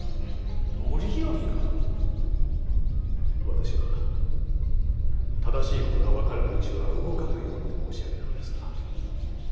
私は正しいことが分からぬうちは動かぬようにと申し上げたのですが。